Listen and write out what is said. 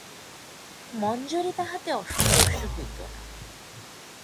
মঞ্জরী তাহাতে অসন্তুষ্ট হইত না।